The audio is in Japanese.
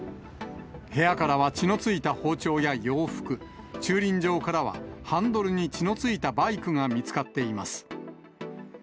部屋からは血のついた包丁や洋服、駐輪場からはハンドルに血のついたバイクが見つかっています。